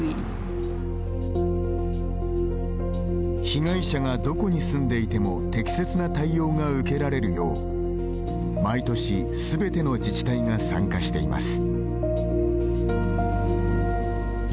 被害者がどこに住んでいても適切な対応が受けられるよう毎年、すべての自治体が参加しています。